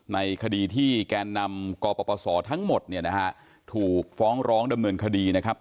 ในคดีที่แกนนำกปศทั้งหมดเนี่ยนะฮะถูกฟ้องร้องดำเนินคดีนะครับ